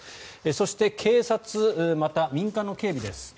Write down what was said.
そして、警察また民間の警備です。